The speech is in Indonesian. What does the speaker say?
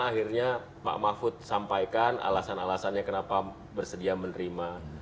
akhirnya pak mahfud sampaikan alasan alasannya kenapa bersedia menerima